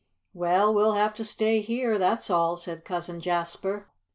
"Well, we'll have to stay here, that's all," said Cousin Jasper.